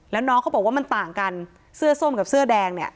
แล้วน้องเขาบอกว่ามันต่างกันเสื้อส้มกับเสื้อแดงเนี่ย